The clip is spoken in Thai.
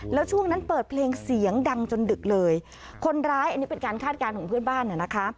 แล้วช่วงนั้นเปิดเพลงเสียงดังจนดึกเลยคนร้ายอันนี้เป็นการคาดการณ์ของเพื่อนบ้านน่ะนะคะ